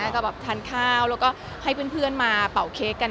ทานข้าวแล้วก็ให้เพื่อนป่าวเค้กกัน